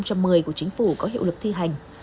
của chính phủ có hiệu lực thi hành